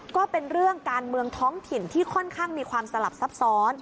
ก็เป็นเรื่องการเมืองท้องถิ่นที่ค่อนข้างมีความสลับซับซ้อน